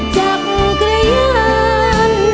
จากกระยัน